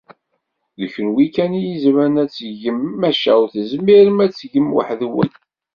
D kunwi kan i izemren ad t-tgem, maca ur tezmirem ad t-tgem weḥd-wen.